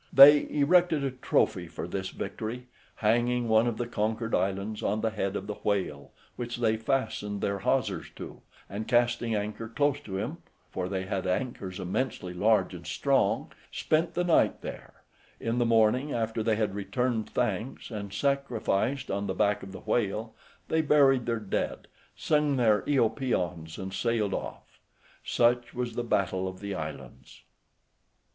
They erected a trophy for this victory, hanging one of the conquered islands on the head of the whale, which they fastened their hawsers to, and casting anchor close to him, for they had anchors immensely large and strong, spent the night there: in the morning, after they had returned thanks, and sacrificed on the back of the whale, they buried their dead, sung their Io Paeans, and sailed off. Such was the battle of the islands.